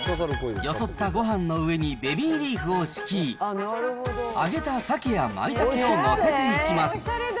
よそったごはんの上に、ベビーリーフを敷き、揚げたサケやまいたけを載せていきます。